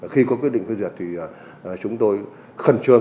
khi có quyết định phê duyệt thì chúng tôi khẩn trương